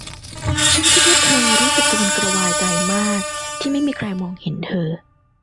ฉันคิดว่าเธอรู้สึกกระวนกระวายใจมากที่ไม่มีใครมองเห็นเธอ